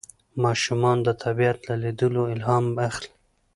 ماشومان د طبیعت له لیدلو الهام اخلي